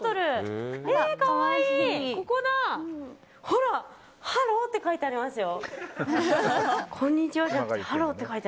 ほら、ハローって書いてありますよ。